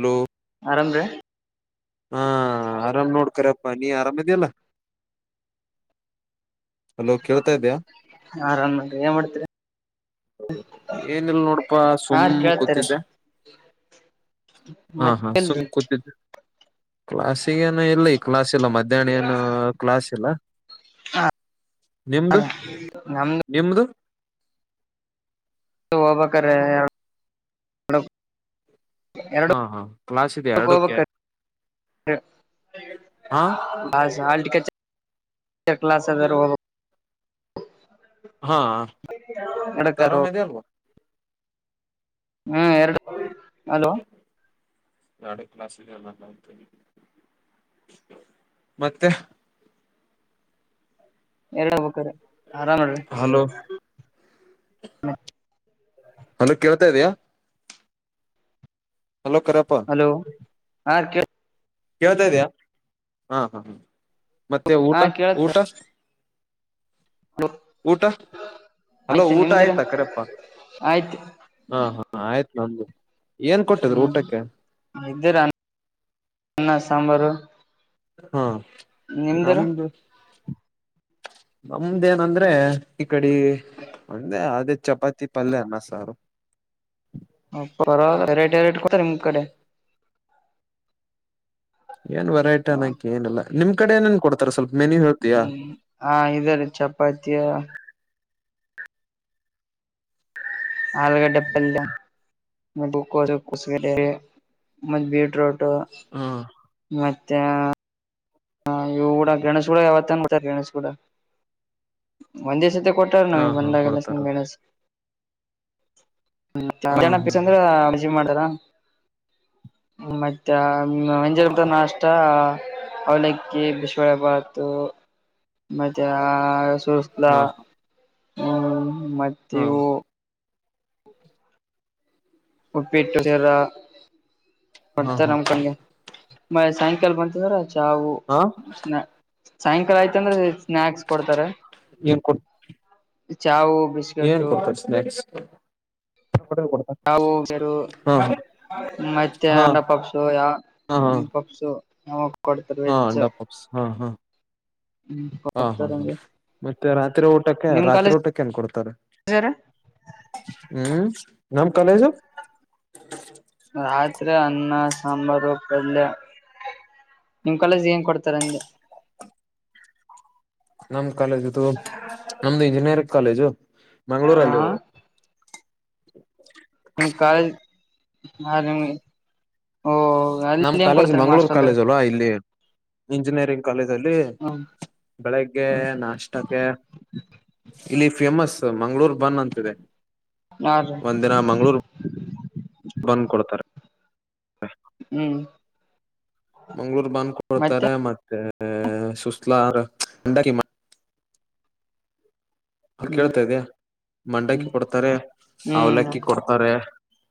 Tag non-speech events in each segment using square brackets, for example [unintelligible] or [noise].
Hello, ಆರಾಮರ್ಯ. ಹಾ ಆರಾಮ್ ನೋಡ್ ಕರೇಪ್ಪ ನೀ ಆರಾಮೀದಿಲ್ಲ. ಹಲೋ ಕೇಳ್ತಾ ಇದ್ಯಾ. ಹಾ ಆರಾಮ್ ನೋಡ್ರಿ ಎನ್ ಮಾಡ್ತರಿ. ಏನಲ್ ನೋಡಪಾ ಹಾ ರೀ ಸುಮ್ಮ್ ಕೇಳ್ತೇರಿ ಕೂತಿದ್ದ. ಹಾ ಹಾ ಮತ್ತಿಲ್ರಿ ಸುಮ್ ಕೂತಿದ್ದ, ಕ್ಲಾಸಗಿ ಏನ ಇಲ್ಲ ಈ ಕ್ಲಾಸ್ ಇಲ್ಲ ಮಧ್ಯಾಣ ಏನ ಕ್ಲಾಸ್ ಇಲ್ಲ. [unintelligible] ಅ ನಮ್ದ ನಿಮ್ಮದು. ಒಬಕಾರೇ ಹಾ ಹಾ ಕ್ಲಾಸ್ ಇದೆ ಎರಡಕ್ಕೂ ಎರಡಕ್ಕೆ ಹೋಗ್ಬೇಕ್ರಿ ಹಾ [unintelligible] ಹಾ ಮತ್ತ ಎರಡಕ್ಕಾರ ಆರಾಮೀದಿ ಅಲ್ವಾ. ಹ್ಮ್ ಎರಡ ಅಲೋ, ಎರಡೇ ಕ್ಲಾಸ್ ಇದೇ ಅಲ್ವಾ [unintelligible] ಮತ್ತೆ. ಎರಡ ಆಗಬೇಕ್ರಿ ಆರಾಮ್ ನೋಡ್ರಿ. ಹಲೋ. ಹಲೋ ಕೇಳ್ತಾ ಇದಿಯಾ. ಹಲೋ ಕರೆಪ್ಪ. ಹಲೋ ಆ ಕೇ ಕೇಳ್ತಾ ಇದಿಯಾ ಹಾ ಹಾ ಹ ಮತ್ತೆ ಹಾ ಊಟ ಕೇಳತ್ತ ಊಟ. ಊಟ ಹಲೋ ಆಯ್ತು ಊಟ ನಿಮ್ದ್ರ ಆಯ್ತಾ ಕರೇಪ್ಪ. ಆಯ್ತು ಹಾ ಹಾ ಆಯ್ತ್ ನಂದು ಏನ್ ಕೊಟ್ಟಿದ್ರರು ಊಟಕ್ಕೆ. ಇದ್ದೆರೀ ಅನ್ನ ಸಾಂಬಾರು. ಹಾ ನಿಮ್ದರ ನಮ್ದು, ನಮ್ದೇನಂದ್ರೆ ಈ ಕಡಿ ಒಂದೆ ಅದೇ ಚಪಾತಿ ಪಲ್ಯ ಅನ್ನ ಸಾರು ಅಪ್ಪ ವೆರೈಟಿ ವೆರೈಟಿ ಕೊಡ ನಿಮ್ ಕಡೆ ಏನ್ ವೆರೈಟ ಅನ್ನೋಕ ಏನ್ ಇಲ್ಲ ನಿಮ್ಡೆ ಏ ಏನ್ ಕೊಡ್ತಾರೆ ಸ್ವಲ್ಪ ಮೆನು ಹೇಳ್ತೀಯಾ ಹ್ಮ್ ಹಾ ಇದ ರೀ ಚಪಾತ ಆಲೂಗಡ್ಡೆ ಪಲ್ಯ [unintelligible] ಮತ್ತ ಬೀಟ್ರೋಟ್ ಹಾ ಮ ಚ ಹ ಇ ಕೂಡ ಗಣೇಶ ಕೂಡ ಯಾವತ್ತಾರೆ ಗಣೇಶ್ ಕೂಡ ಒಂದ್ ದಿವಸ ಕೊಟ್ಟ ನ ಹಾ ಹಾ ಬಂದಾಗಲ್ಲ ಕೊಡ್ತಾರ ಮ ಹ ಮಧ್ಯಾನ ಬೇಕಂದ್ರೆ ಸ್ಪೆಷಲ್ ಮಾಡ್ತರ ಮತ್ತೆ ಮಂಜಾಗದ ನಾಸ್ಟ ಅವಲಕ್ಕಿ ಬಿಸಿ ಬೆಳೆ ಬಾತು ಮತ್ತೆ ಆ ಸು ಲ್ಲ ಹಾ ಹ್ಮ್ ಮತ್ತೆ ಹಾ ಇವು ಉಪ್ಪಿಟ್ಟು ಸರ ಹಾ ಕೊಡ್ತಾರ ಹಾ ನಮಕೊಂಡಗೆ ಮ ಸಾಯಂಕಾಲ ಬಂತದ್ರ ಚಾವು ಹಾ ಸಾಯಂಕಾಲ ಆಯ್ತ ಅಂದ್ರೆ ಸ್ನಾಕ್ಸ್ ಕೊಡ್ತಾರೆ ಏನ್ ಕೊಡ್ ಚಾವು ಬಿಸಿ ಏನ್ ಕೊಡ್ತಾರೆ ಸ್ನಾಕ್ಸ್ [unintelligible] ಯಾವ ಹಾ ಮತ್ತೆ ಹಾ ಅಂಡ ಪಪ್ಸು ಯ ಹಾ ಹಾ ಸೊ ಹಾ ಅಂಡಾ ಪಪ್ಸ್ ಹಾ ಹಾ ಹಾ ಹಾ ಹಾ ಕೊಡ್ತಾರಂಗೆ ಮತ್ತೆ ರಾತ್ರಿ ಊಟಕ್ಕೆ ರಾತ್ರಿ ಊಟಕ್ಕೆ ಏನ್ ಕೊಡ್ತಾರೆ ಹರ ಹ್ಮ್ ನಮ್ಮ ಕಲೇಜು ರಾತ್ರಿ ಅನ್ನ ಸಾಂಬಾರು ಪಲ್ಯ ನಿಮ್ ಕಾಲೇಜ್ ಅಲ್ಲಿ ಏನ್ ಕೊಡ್ತಾರೆ ಅಂದೆ ನಮ್ ಕಾಲೇಜ್ ಇದು ನಮ್ದು ಇಂಜಿನಿಯರಿಂಗ್ ಕಾಲೇಜು ಹಾ ಮಂಗಳೂರಲ್ಲಿ ಇರೋದು ನಿಮ್ ಕಾಲೇಜ್ ಹಾ ನಿಮ್ಗೆ ಓ ನಮ್ ಅಲ್ಲಿ ಏನ್ ಕಾಲೇಜ್ ಕೊಡ್ತಾರೆ ನಿಮ್ ಮಂಗಳೂರ್ ಹಾಸ್ಟೆಲ್ದಾಗ ಕಾಲೇಜ್ ಅಲ್ವಾ ಇಲ್ಲಿ ಇಂಜಿನಿಯರಿಂಗ್ ಕಾಲೇಜ್ ಅಲ್ಲಿ ಹ್ಮ್ ಬೆಳಿಗ್ಗೆ ನಾಷ್ಟಕ್ಕೆ ಇಲ್ಲಿ ಫೇಮಸ್ ಮಂಗಳೂರ್ ಬನ್ ಅಂತಿದೆ ನಾ ರೀ ಒಂದ್ ದಿನ ಮಂಗಳೂರು ಬಂದ್ ಕೊಡ್ತಾರೆ ಹ್ಮ್ ಮಂಗಳೂರು ಬಂದ್ ಮತ್ತೆ ಕೊಡ್ತಾರೆ ಮತ್ತೆ ಸುಸ್ಲ [unintelligible] ಹ್ಮ್ ಕೇಳ್ತಾ ಇದ್ಯಾ ಮಂಡಕ್ಕಿ ಕೊಡ್ತಾರೆ ಹ್ಮ್ ಅವ್ಲಕ್ಕಿ ಕೊಡ್ತಾರೆ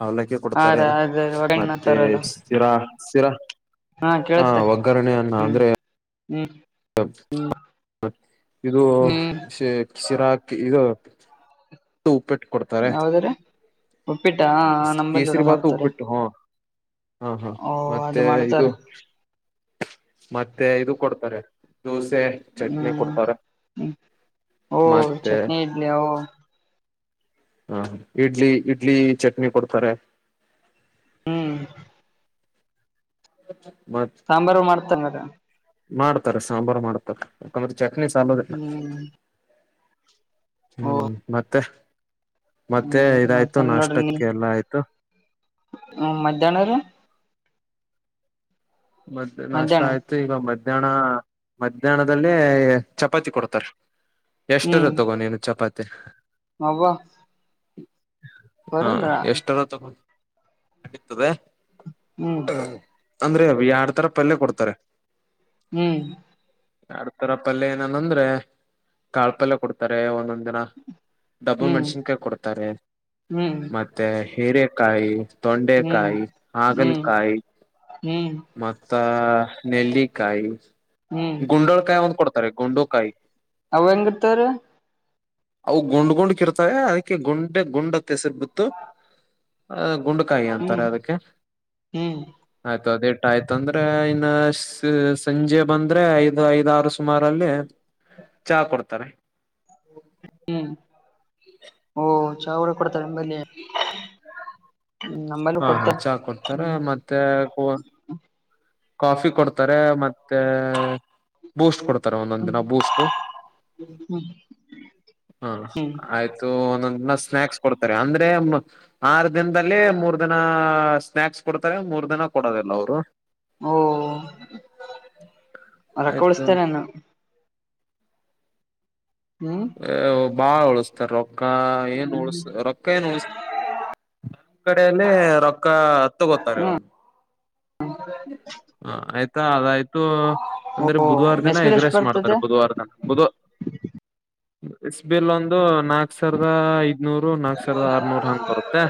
ಅವ್ಲಕ್ಕಿ ಹಾ ಕೊಡ್ತಾರೆ ರ ಅದ ಮತ್ತೆ ಒಗಣತಾರಲ್ಲ ಸಿರ ಸಿರ ಹಾ ಒಗ್ಗರಣೆ ಅನ್ನ ಅಂದ್ರೆ ಹ್ಮ [unintelligible] ಇದು ಹ್ಮ್ ಶಿರಾಕ್ ಇದು ಉಪ್ಪಿಟ್ಟು ಕೊಡ್ತಾರೆ ಯಾವದ್ರ ಉಪ್ಪಿಟ್ಟ ನಮ್ಮಲ್ಲಿ ಕೂಡ ಕೇಸರಿಬಾತ್ ಮಾಡ್ತಾರೆ ಉಪ್ಪಿಟ್ಟು ಹಾ ಹಾ ಹಾ ಓ ಅದು ಮತ್ತೆ ಮಾಡ್ತಾರ ಇದು ಮತ್ತೆ ಇದು ಕೊಡ್ತಾರೆ ದೋಸೆ ಚಟ್ನಿ ಹ್ಮ್ ಕೊಡ್ತಾರೆ ಹ್ಮ್ ಓ ಮತ್ತೆ ಚಟ್ನಿ ಇಡ್ಲಿ ಓ ಹಾ ಇಡ್ಲಿ ಇಡ್ಲಿ ಚಟ್ನಿ ಕೊಡ್ತಾರೆ ಹ್ಮ್ ಮತ್ ಸಾಂಬಾರು ಮಾಡ್ತಂಗಾರ ಮಾಡ್ತಾರೆ ಸಾಂಬಾರ ಮಾಡ್ತಾರ ನಮ್ದ್ ಚಟ್ನಿ ಸಾಲುದಿಲ್ಲ ಹ್ಮ್ [unintelligible] ಓ ಹ್ಮ್ ಮತ್ತೆ ಮತ್ತೆ ಹ್ಮ್ ಇದಾಯ್ತು ಮತ್ತೇನ್ ನಾಷ್ಟಕ್ಕೆ ಎಲ್ಲ ಆಯ್ತು. ಹ್ಮ ಮಧ್ಯಾಹ್ನ ರೀ ಮದ್ಯ ನಾಷ್ಟ ಮಧ್ಯಾಹ್ನ ಆಯ್ತು ಈಗ ಮಧ್ಯಾಹ್ನ ಮಧ್ಯಾಹ್ನದಲ್ಲೇ ಚಪಾತಿ ಕೊಡ್ತಾರೆ. ಎಷ್ಟರ ತಗೋ ನೀನು ಚಪಾತಿ ಹಬ ಹಾ ಎಷ್ಟರ ತಗೊಂಡ [unintelligible] ಕಡತದೆ ಹ್ಮ್ ಅಂದ್ರೆ ಎರಡ್ತರ ಪಲ್ಯ ಕೊಡ್ತಾರೆ. ಹ್ಮ್ ಎರಡ್ತರ ಪಲ್ಯ ಏನನ್ಂದ್ರೆ ಕಾಳ ಪಲ್ಯ ಕೊಡ್ತಾರೆ ಒಂದೊಂದ್ ದಿನ ಡಬ್ಬು ಹ್ಮ್ ಮೆಣಸಿನಕಾಯಿ ಕೊಡ್ತಾರೆ ಹ್ಮ್ ಮತ್ತೆ ಹೀರೆಕಾಯಿ ಹ್ಮ್ ತೊಂಡೆಕಾಯಿ ಹ್ಮ್ ಹಾಗಲಕಾಯಿ ಹ್ಮ್ ಮತ್ತ ನೆಲ್ಲಿಕಾಯಿ ಹ್ಮ್ ಗುಂಡೋಲ್ಕಾಯಿ ಒಂದ್ ಕೊಡ್ತಾರೆ ಗುಂಡೋಕಾಯಿ ಅವು ಹೆಂಗ ಇರತಾವ ರೀ ಅವು ಗುಂಡ್ ಗುಂಡ್ಕ ಇರ್ತಾವ ಅದಕ್ಕೆ ಗುಂಡ ಗುಂಡತ್ತ ಹೆಸರ್ ಬಿತ್ತು. ಅ ಗುಂಡಕಾಯಿ ಹ್ಮ್ ಅಂತಾರೆ ಅದಕ್ಕೆ ಹ್ಮ್ ಆಯ್ತು ಅದೇ ಅಷ್ಟ ಆಯ್ತಂದ್ರೆ ಇನ್ನ ಸಂಜೆ ಬಂದ್ರೆ ಐದ್ ಐದ ಆರು ಸುಮಾರ ಚಾ ಕೊಡ್ತಾರೆ. ಹ್ಮ್ ಓ ಚಾ ಅವರ ಕೊಡ್ತಾರೆ ನಿಮ್ಮಲ್ಲಿ ಹ್ಮ್ ನಮ್ಮಲ್ಲಿ ಕೊಡ್ತೇ ಹ್ಮ್ ತ್ತ ಕುವ ಕಾಫಿ ಕೊಡ್ತಾರೆ ಮತ್ತೆ ಬೂಸ್ಟ್ ಕೊಡ್ತಾರೆ ಒಂದೊಂದ ಹ್ಮ್ ದಿನ ಬೂಸ್ಟ್ ಹ ಹ್ಮ್ ಆಯ್ತು ಒಂದೊಂದ ಸ್ನಾಕ್ಸ್ ಕೊಡ್ತಾರೆ ಅಂದ್ರೆ ಆರು ದಿನದಲ್ಲಿ ಮೂರ್ ದಿನ ಸ್ನಾಯಾಕ್ಸ್ ಕೊಡ್ತಾರೆ ಮೂರ್ ದಿನ ಕೊಡದಲ್ಲ ಅವ್ರು. ಓ ಆಯ್ತು ರಕ್ಕಳಸ್ತೇರೆನೆ ಹ್ಮ್ ಬಾಳ್ ಉಳಿಸತಾರೆ ರೊಕ್ಕ ಏನು ಉಳಸ ರೊಕ್ಕ ಏನ ಉಳಸ ನಮ್ಮ ಕಡೆಲ್ಲಿ ರೊಕ್ಕ ರೊಕ್ಕ ಹತ್ತಗೋತಾರೆ ಹ್ಮ್ ಹ ಆಯ್ತಾ ಅದಾಯ್ತು ಅಂದ್ರೆ ಓ ಬುಧವಾರ ಮೆಸ್ ದಿನ ಬಿಲ್ ಎಷ್ಟ್ ಎಗ್ರೆಸ್ ಬರ್ತದೆ ಮಾಡ್ತಾರೆ ಬುಧವಾರ ದಿನ ಬುಧ ಎಸ್ ಬಿಲ್ ಒಂದು ನಾಕ್ ಸಾವಿರದ ಐದನೂರ ನಾಕ್ ಸಾವಿರದ ಆರಾನೂರ್ ಹಂಗ್ ಬರುತ್ತೆ.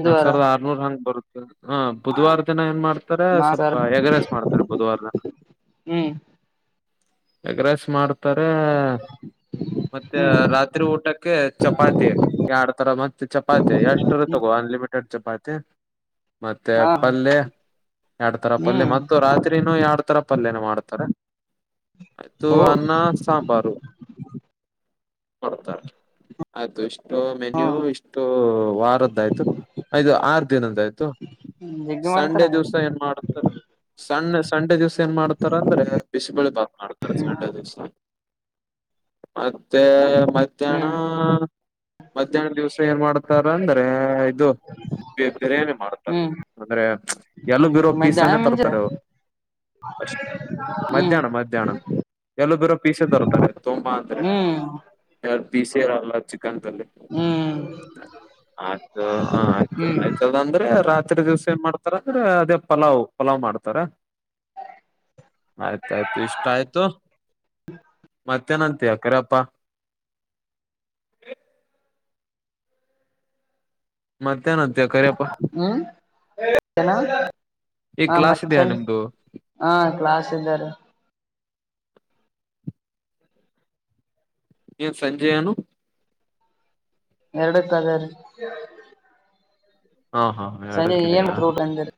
ಇದು ನಾಕ್ ವಾರ ಸಾವಿರದ ಅರ್ನುರ ಹಂಗ್ ಬರುದು ಹಾ ಬುಧವಾರ ದಿನ ಏನ್ ಮಾಡ್ತಾರೆ ಸ್ವಲ್ಪ ನಾಕರ್ ಎಗರಸ್ ಮಾಡ್ತಾರೆ ಬುಧವಾರ ದಿನ ಹ್ಮ್ ಎಗ್ ರೈಸ್ ಮಾಡ್ತಾರೆ ಮತ್ತೆ ಹ್ಮ್ ರಾತ್ರಿ ಊಟಕ್ಕೆ ಚಪ್ಪ ಚಪಾತಿ ಎರಡ್ ತರ ಮತ್ತೆ ಚಪಾತಿ ಎಷ್ಟುರು ತಗೋ ಅನ್ಲಿಮಿಟೆಡ್ ಚಪಾತಿ ಮತ್ತೆ ಹಾ ಪಲ್ಯ ಎರಡ್ ತರ ಪಲ್ಯ ಹ್ಮ್ ಮತ್ತು ರಾತ್ರಿನೂ ಎರಡ್ ತರ ಪ ಪಲ್ಯನ ಮಾಡತಾರ ಆಯ್ತು ಓ ಅನ್ನ ಸಾಂಬಾರು. ಕೊಡ್ತಾರ ಆಯ್ತು ಇಷ್ಟು ಹ ಮೆನ್ಯೂ ಇಷ್ಟು ವಾರದ್ದ. ಆಯ್ತು ಇದು ಆರು ದಿನದ ಆಯ್ತು ಜಗ್ಗಿ ಮಾಡ್ತಾರ ಸಂಡೆ ಹಂಗಾರೆ ದಿವಸ. ಏನ್ ಮಾಡಾರೆ ಸಣ್ಣ ಸಂಡೆ ದಿವಸ. ದ ಏನ್ ಮಾಡ್ತಾರ ಅಂದ್ರೆ ಬಿಸಿಬೇಳೆ ಭಾತ್ ಮಾಡ್ತಾರ ಸಂಡೆ ದಿವಸ. ಮತ್ತೆ ಮಧ್ಯಾಹ್ನ. ಹ್ಮ್ ಮಧ್ಯಾಹ್ನ ದಿವ್ಸ ಏನ್ ಮಾಡ್ತಾರ ಅಂದ್ರೆ ಇದು ಬಿರಿಯಾನಿ ಮಾಡ್ತಾರ. ಹ್ಮ್ ಅಂದ್ರೆ ಎಲುಬು ಹ್ಮ್ ಇರೋ ಮಧ್ಯಾಹ್ನ ಪೀಸನೇ ಮಿಂಜ ತರ್ತಾರೆ ಅವರು. [inaudible] ಹ್ಮ್ ಮಧ್ಯಾಹ್ನ ಮಧ್ಯಾಹ್ನ ಎಲುಬು ಇರೋ ಪೀಸೆ ತರ್ತಾರೆ ತುಂಬಾ ಅಂದ್ರೆ. ಹ್ಮ್ ಯಾವ ಫೀಸ್ ಇರಲ್ಲ ಚಿಕನ್ದಲ್ಲಿ. ಹ್ಮ. ಆಯ್ತು ಹ ಆಯ್ತು ಆಯ್ತದ ಅಂದ್ರೆ ರಾತ್ರಿ ದಿವ್ಸ. ಏನ್ ಮಾಡ್ತಾರ ಅಂದ್ರೆ ಅದೇ ಪಲಾವ್ ಪಲಾವ್ ಮಾಡ್ತಾರ. ಆಯ್ತಾಯ್ತು ಇಷ್ಟ ಆಯ್ತು ಮತ್ತೆನಂತಯ ಕರಿಪ್ಪಾ. ಮತ್ತೆನ್ ಅಂತೀಯಾ ಕರಿಯಪ್ಪಾ. ಹ್ಮ್ ಏನ್. ಈ ಕ್ಲಾಸ್ ಇದೆಯಾ ನಿಮ್ದು [inaudible] ಹಾ ಕ್ಲಾಸ್ ಇದ್ದಾರೆ. ಏನ ಸಂಜೆ ಏನು. ಎರಡಕ್ಕೆ ಅದೇ ರಿ. ಹಾ ಹಾ ಸಂಜೆ ಏನ್ ಎರಡಕ್ಕಿದಯಾ. ಊಟ ಅಂದಿರಿ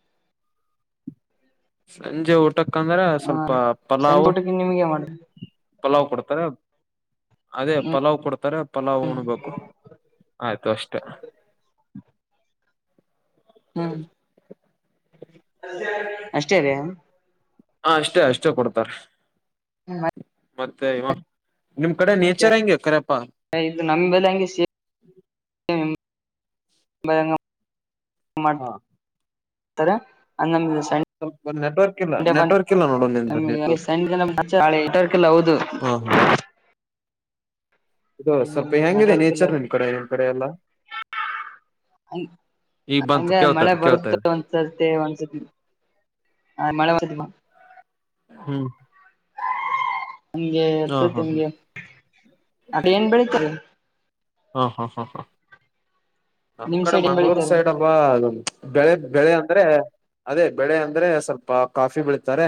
ಸಂಜೆ ಊಟಕ್ಕಂದ್ರೆ ಹ ಸ್ವಲ್ಪ ಸಂಜೆ ಪಲಾವು. ಊಟಕ್ಕೆ ನಿಮ್ಗೆ ಮಾಡ್ರಿ ಪಲಾವ್ ಕೊಡ್ತಾರೆ ಅದೇ ಪಲಾವ್ ಕೊಡ್ತಾರೆ ಪಲಾವ್ ಉಣ್ಬೇಕು. ಆಯ್ತು ಅಷ್ಟೇ. ಹ್ಮ್ ಅಷ್ಟೇ ರಿ. ಹ ಅಷ್ಟೇ ಅಷ್ಟೇ ಕೊಡ್ತಾರೆ. ಹ್ಮ. ಮತ್ತೆ ಇವ ನಿಮ್ ಕಡೆ ಮತ್ತೆ ನೇಚರ್ ಹೆಂಗೆ ಕರೆಪ್ಪಾ. ಇದು ನಮ್ಮ ಬೆಲೆ ಹಂಗೆ. [unintelligible] ಹಾ ಮಾಡ್ತಾರ ಅದ ನಮ್ಗ. ಸ್ವಲ್ಪ ನೆಟ್ವರ್ಕ್ ಇಲ್ಲ ನೆಟ್ವರ್ಕ್ ಇಲ್ಲ ನೋಡು ನಿಂದು ನೆಟ್ವರ್ಕ್ ಹ [unintelligible] ಇದು ಹ್ಮ್ ಸ್ವಲ್ಪ ಹೆಂಗಿದೆ ನೆಟ್ವರ್ಕ್ ನೇಚರ್ ನಿನ್ ಕಡೆ ನಿಮ್ಮ ಕಡೆ ಎಲ್ಲಾ. ಹ ಈಗ ಬಂತು ಹಂಗೆ ಮಳೆ ಕೇಳ್ತದೆ ಬರುತ್ತೆ. ಕೇಳ್ತದೆ ಬರ್ತೇತಿ ಒಂದ್ಸತಿ ಮಳೆ. ಹ್ಮ್. ಹ ಹ ನಮಗೆತಿಮ್ಗೆ ಅ ಏನ್ ಬೆಳೀತೀರಿ. ಹಾ ಹಾ ಹಾ ಹಾ. ನಮ್ ನಿಮ್ ಕಡೆ ಸೈಡ್ ಏನ್ ಮಂಗಳೂರ್ ಬೆಳಿತಾರೆ ಸೈಡ್ ಅವಾ ಬೆಳೆ ಬೆಳೆ ಅಂದ್ರೆ. ಅದೇ ಬೆಳೆ ಅಂದ್ರೆ ಸ್ವಲ್ಪ ಕಾಫಿ ಬೆಳಿತಾರೆ.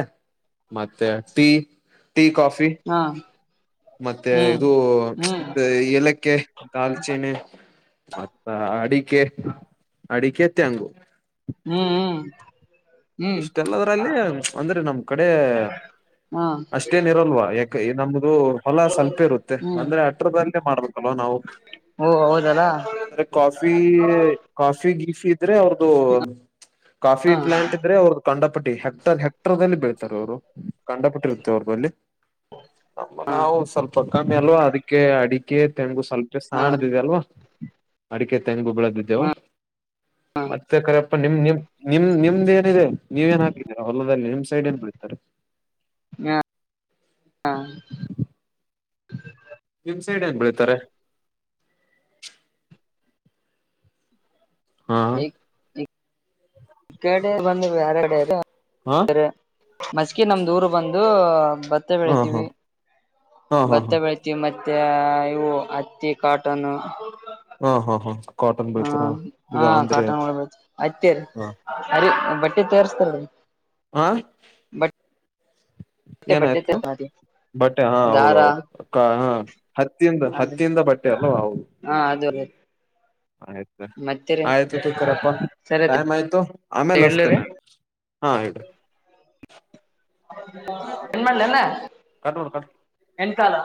ಮತ್ತೆ ಟೀ ಟೀ ಕಾಫಿ. ಹಾ. ಮತ್ತೆ ಹ್ಮ್ ಇದು ಹ್ಮ್ ಏಲಕ್ಕೆ. ದಾಲ್ಚೆನೆ ಮತ್ತ ಅಡಿಕೆ ಅಡಿಕೆ ತೆಂಗು. ಹ್ಮ್ ಹ್ಮ್. ಹ್ಮ್ ಇಷ್ಟೆಲ್ಲದ್ರಲ್ಲಿ ಅಂದ್ರೆ ನಮ್ ಕಡೆ ಹಾ ಅಷ್ಟೇ. ಏ ಇರಲ್ವಾ ಯಾಕೆ ಈ ನಮ್ದು ಹೊಲ ಸ್ವಪ ಇರುತ್ತೆ ಅಂದ್ರೆ ಹತ್ರರದದಲ್ಲಿ ಮಾಡ್ಬೇಕಲ್ವಾ ನಾವು. ಹೂ ಹೌದಲ್ಲಾ. ಅಂದ್ರೆ ಕಾಫಿ ಕಾಫಿ ಗೀಫಿ ಇದ್ರೆ ಅವ್ರದು ಕಾಫಿ ಹಾ ಪ್ಲಾಂಟ್. ಅವ್ರ ಕಂಡಪಟ್ಟಿ ಹೆಕ್ಟರ್ ಹೆಕ್ಟರ್ಲ್ಲಿ ಬೀಳ್ತಾರೆ ಅವರು ಕಂಡಪಟ್ಟಿ ಇರುತ್ತೆ ಅವ್ರಲ್ಲಿ. ನಾವು ಸ್ವಲ್ಪ ಕಮ್ಮಿ ಅಲ್ವಾ ಅದಕ್ಕೆ ಅಡಿಕೆ ತೆಂಗು ಸ್ವಲ್ಪ. ಹಾ ಸಾಣದಿದೆ ಅಲ್ವಾ ಅಡಿಕೆ ತೆಂಗು ಬೆಳದಿದ್ದೇವ ಹಾ ಮತ್ತೆ ಕರೆ. ನಿಮ್ ನಿಮ್ ನಿಮ್ ನಿಮ್ದ್ ಏನಿದೆ ನೀವ ಏನ್ ಹಾಕಿದೀರ ಹೊಲದಲ್ಲಿ ನಿಮ್ ಸೈಡ್ ಏನ್ ಬೆಳೀತಾರೆ. [inaudible] ನಿಮ್ ಸೈಡ್ ಏನ್ ಬೆಳೀತಾರೆ. ಹಾ. ಈ ಈ ಕಡೆ ಬಂದ. ಹಾ [unintelligible] ಮಸ್ಕಿ ನಮ್ದೂರ್ ಬಂದು ಭತ್ತೆ ಹಾ ಹಾ ಬೆಳತಿವಿ ಹಾ ಹಾ ಭತ್ತ ಬೆಳತಿ. ಹತ್ತಿ ಮತ್ತೆ ಇವು ಹತ್ತಿ ಕಾಟನ್. ಹಾ ಹಾ ಹಾ. ಕಾಟನ್ ಹ್ಮ ಬೆಳಿತೀರಾ ಹಾ ಇದು ಅಂದ್ರೆ ಕಾಟನ್ ಒ ಅಐತೇರಿ ಅರಿ ಬಟ್ಟೆ ತೋರ್ಸ್ತಾರರಿ. ಹಾ. ಬಟ್ಟೆೆ. [unintelligible] ಬಟ್ಟೆ ಹಾ ಹೌದ ಹೌದು ಹ ಹತ್ತಿಂದ ಅದು ಹತ್ತಿಂದ ಬಟ್ಟೆ ಅಲ್ವಾ ಹೌದು. ಹಾ ಅದರಿ. ಆಯ್ತು. ಆಯ್ತು ತೊಗೊ ಕರೆಪ್ಪ ಸರಿ ಟೈಮ್ ಆಯ್ತು ಆಮೇಲೆ ಇಡ್ಲರಿ ಹಸ್ತೇನೆ ಹಾ ಇಡ್ರಿ. ನ್ ಮಾಡ್ಲಲ್ಲ ಕಟ್ ಮಾಡು. ಹೆನ್ ಕಾಲ.